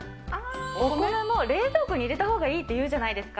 お米も冷蔵庫に入れたほうがいいっていうじゃないですか。